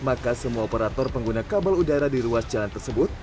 maka semua operator pengguna kabel udara di ruas jalan tersebut